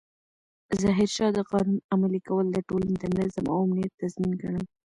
ظاهرشاه د قانون عملي کول د ټولنې د نظم او امنیت تضمین ګڼل.